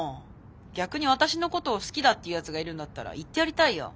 逆に私のことを好きだっていうやつがいるんだったら言ってやりたいよ。